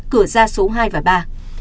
cửa ra số hai và ba